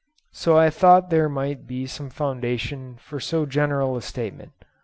So I thought there must be some foundation for so general a statement.